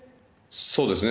そうですね。